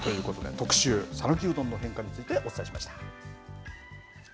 特集、讃岐うどんの変化についてお伝えしました。